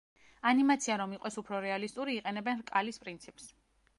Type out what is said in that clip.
ანიმაცია რომ იყოს უფრო რეალისტური იყენებენ რკალის პრინციპს.